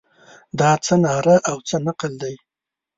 دا څه ناره او څه نقل دی.